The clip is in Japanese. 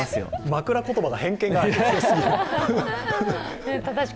枕言葉が偏見が強すぎる。